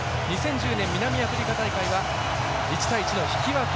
２０１０年南アフリカ大会は１対１の引き分け。